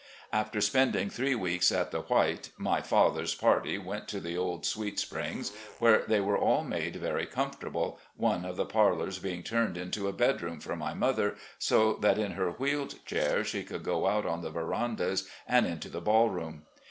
After spending three weeks at " the White," my father's party went to the Old Sweet Springs, where they were all made very comfortable, one of the parlours being turned into a bedroom for my mother, so that in her wheeled chair she could go out on the verandas and into the ball room.